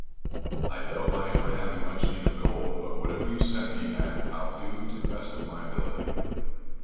"I doubt my ever having much need of gold, but whatever you set me at I'll do to the best of my ability."